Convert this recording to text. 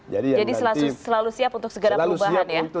jadi selalu siap untuk segera perubahan ya